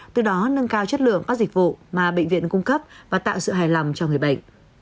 từ đó nâng cao chất lượng các dịch vụ mà bệnh viện cung cấp và tạo sự hài lòng cho người bệnh